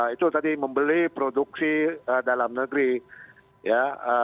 itu tadi membeli produksi dalam negeri ya